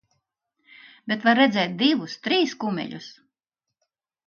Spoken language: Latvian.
Bet var redzēt divus, trīs kumeļus.